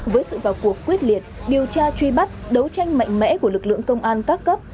với sự vào cuộc quyết liệt điều tra truy bắt đấu tranh mạnh mẽ của lực lượng công an các cấp